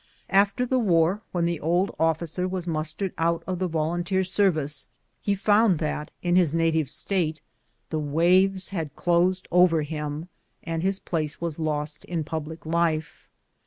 After the war, when the old officer was mustered out of the Yolunteer service, he found that in his native State the waves had closed over him, and his place w\as lost in public life.